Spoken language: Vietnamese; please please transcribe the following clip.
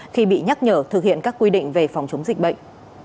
khi bị nhắc nhở thực hiện các quy định về phòng chống dịch bệnh